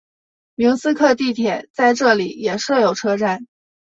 明斯克地铁在这里也设有车站。